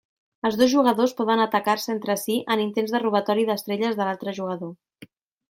Els dos jugadors poden atacar-se entre si en intents de robatori d'estrelles de l'altre jugador.